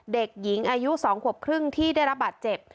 เด็กหญิงอายุ๒ขวบครึ่งที่ได้รับบาดเจ็บ